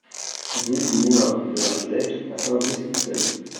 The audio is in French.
Rue du Moulin de l'Archeveque à Saint-Brice-Courcelles